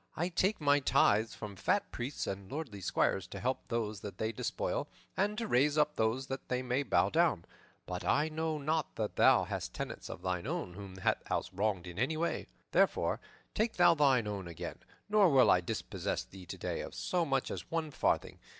I take my tithes from fat priests and lordly squires, to help those that they despoil and to raise up those that they bow down; but I know not that thou hast tenants of thine own whom thou hast wronged in any way. Therefore, take thou thine own again, nor will I dispossess thee today of so much as one farthing.